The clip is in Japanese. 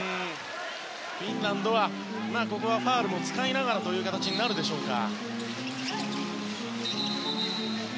フィンランドはファウルを使いながらとなるでしょうか。